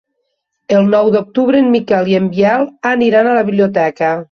El nou d'octubre en Miquel i en Biel aniran a la biblioteca.